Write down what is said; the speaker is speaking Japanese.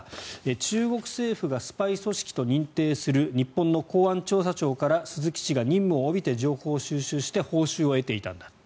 中国政府がスパイ組織と認定する日本の公安調査庁から鈴木氏が任務を帯びて情報を収集して報酬を得ていたんだ